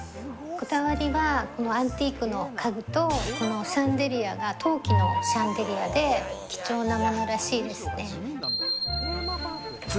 こだわりはこのアンティークの家具とこのシャンデリアが陶器のシャンデリアで貴重なものらしいですね。